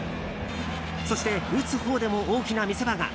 そして、打つほうでも大きな見せ場が。